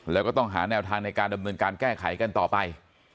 แล้วก็ต้องหาแนวทางในการดำเนินการแก้ไขกันต่อไป